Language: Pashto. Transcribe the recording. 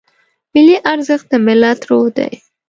ملي ارزښت د ملت روح دی.